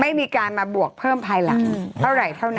ไม่มีการมาบวกเพิ่มภายหลังเท่าไหร่เท่านั้น